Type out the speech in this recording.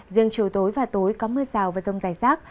riêng chiều tối và tối có mưa rào và rông dài rác